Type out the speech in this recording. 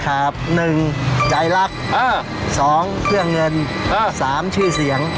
ครับ๑ใจรัก๒เพื่อเงิน๓ชื่อเสียง